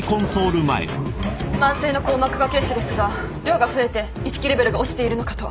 慢性の硬膜下血腫ですが量が増えて意識レベルが落ちているのかと。